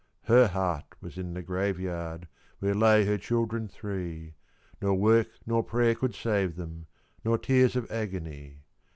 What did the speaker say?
Her heart was in the graveyard Where lay her children three; Nor work nor prayer could save them, Nor tears of agony.